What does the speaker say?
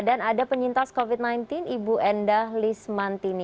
dan ada penyintas covid sembilan belas ibu endah lismantini